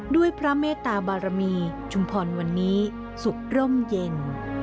ด้วยพระเมตตาบารมีชุมพรวันนี้สุขร่มเย็น